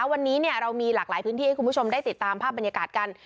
วันนี้เรามีหลากหลายพื้นที่ให้คุณผู้ชมได้ติดตามภาพบรรยากาศกัน